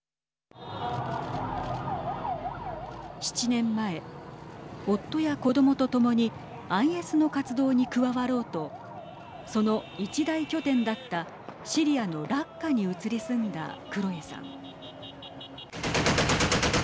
７年前夫や子どもとともにＩＳの活動に加わろうとその一大拠点だったシリアのラッカに移り住んだクロエさん。